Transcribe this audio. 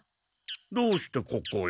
どうしてここへ？